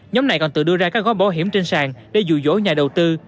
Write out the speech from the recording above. nhóm này còn tự đưa ra các gói bảo hiểm trên sàn để dụ dỗ nhà đầu tư